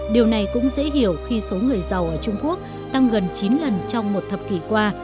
điều này cũng dễ hiểu khi số người giàu ở trung quốc tăng gần chín lần trong một thập kỷ qua